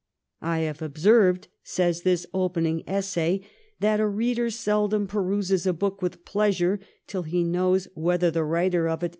' I have observed,' says this opening essay, ' that a reader seldom peruses a book with pleasure till he knows whether the writer of it 1711 JOSEPH ADDISON.